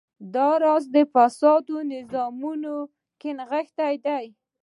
دا راز په فاسدو نظامونو کې نغښتی دی.